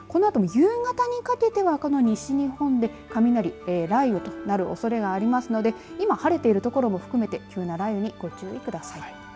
このあとも夕方にかけてはこの西日本で雷、雷雨となるおそれがありますので今、晴れている所も含めて急な雷雨にご注意ください。